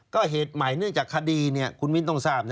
ก็เหตุใหม่เนื่องจากคดีคุณมิ้นต้องทราบ